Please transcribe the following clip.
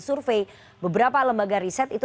survei beberapa lembaga riset itu